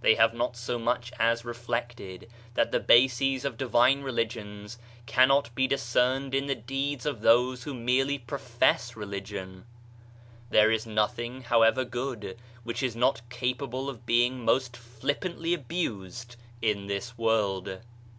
They have not so much as reflected, that the bases of divine religions cannot be discerned in the deeds of those who merely profess religion. There is nothing, however good, which is not cap able of being most flippantly abused in this world.